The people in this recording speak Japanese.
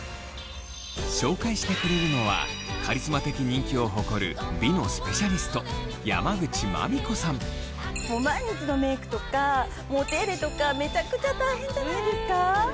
紹介してくれるのはカリスマ的人気を誇る美のスペシャリストとかめちゃくちゃ大変じゃないですか？